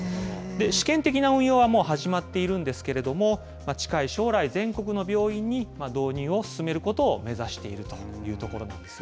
試験的な運用はもう始まっているんですけれども、近い将来、全国の病院に導入を進めることを目指しているというところなんですよ